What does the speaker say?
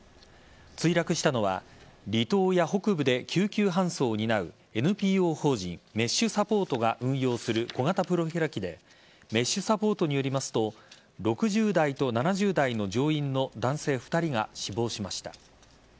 墜落したのは離島や北部で救急搬送を担うＮＰＯ法人ＭＥＳＨサポートが運用する小型プロペラ機でＭＥＳＨサポートによりますと６０代と７０代の乗員の男性２人が死亡しました。